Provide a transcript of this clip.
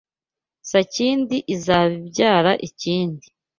Sakindi izaba ibyara ikindi